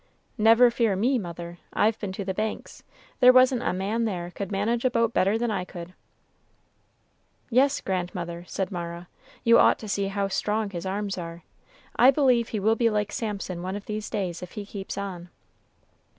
"Never fear me mother, I've been to the Banks; there wasn't a man there could manage a boat better than I could." "Yes, grandmother," said Mara, "you ought to see how strong his arms are; I believe he will be like Samson one of these days if he keeps on."